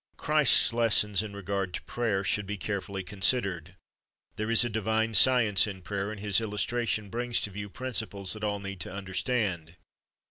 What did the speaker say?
Christ's lessons in regard to prayer should be carefully considered. There is a divine science in prayer, and His illus tration brings to view principles that all need to understand.